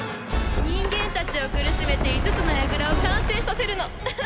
人間たちを苦しめて５つの櫓を完成させるの！